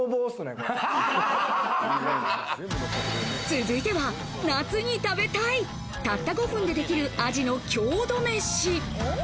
続いては夏に食べたい、たった５分でできるアジの郷土飯。